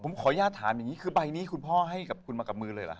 ผมขอย่าถามอย่างนี้คือใบนี้คุณพ่อให้คุณมากับมือเลยหรอฮะ